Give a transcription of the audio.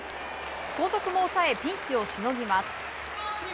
後続も抑え、ピンチをしのぎます。